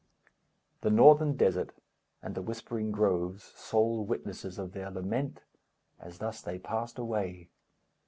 The northern desert and the whispering groves, Sole witnesses of their lament, As thus they passed away!